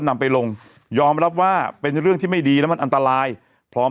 นำไปลงยอมรับว่าเป็นเรื่องที่ไม่ดีและมันอันตรายพร้อม